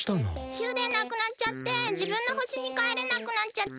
終電なくなっちゃってじぶんのほしにかえれなくなっちゃって。